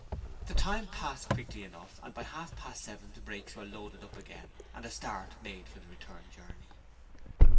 The time passed quickly enough and by half past seven the brakes were loaded up again and a start made for the return journey.